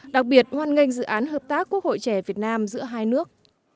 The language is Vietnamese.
đặc biệt hoan nghênh dự án hợp tác quốc hội trẻ việt nam giữa hai nước